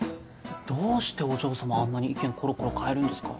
どうしてお嬢様あんなに意見コロコロ変えるんですか？